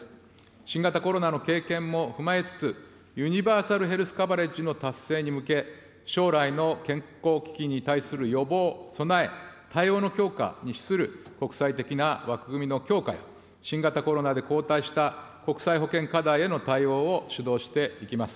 新型コロナの経験も踏まえつつ、ユニバーサル・ヘルス・カバレッジの達成に向け、将来の健康危機に対する予防、備え、対応の強化に資する国際的な枠組みの強化や、新型コロナで後退した国際保健課題への対応を主導していきます。